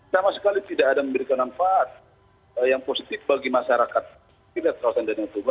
sama sekali tidak ada memberikan manfaat yang positif bagi masyarakat di kawasan danau toba